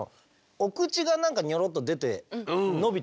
お口が何かニョロッと出てのびてね